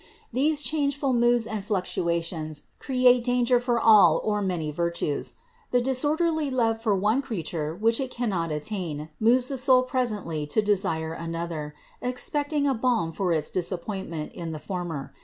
These changeful moods and fluctuations create danger for all or many virtues. The disorderly love for one creature which it cannot attain, moves the soul pres ently to desire another, expecting a balm for its dis appointment in the former.